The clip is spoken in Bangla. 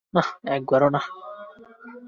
না, একবারও নয়।